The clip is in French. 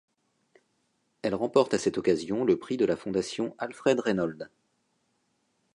Elle remporte à cette occasion le Prix de la Fondation Alfred Reinhold.